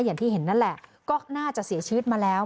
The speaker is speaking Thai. อย่างที่เห็นนั่นแหละก็น่าจะเสียชีวิตมาแล้ว